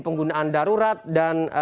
penggunaan darurat dan